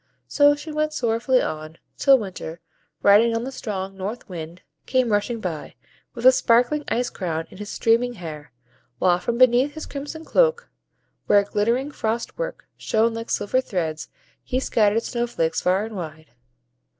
So she went sorrowfully on, till Winter, riding on the strong North Wind, came rushing by, with a sparkling ice crown in his streaming hair, while from beneath his crimson cloak, where glittering frost work shone like silver threads, he scattered snow flakes far and wide.